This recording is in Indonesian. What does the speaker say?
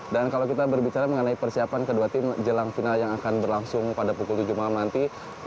dan kalau kita berbicara mengenai persiapan kedua tim jelang final yang akan berlangsung pada pukul tujuh malam nanti